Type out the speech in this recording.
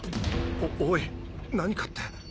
おおい何かって！？